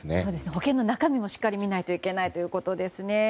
保険の中身もしっかり見ないといけないということですね。